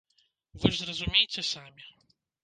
Вы ж зразумейце самі.